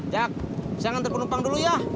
jak saya ngantre penumpang dulu ya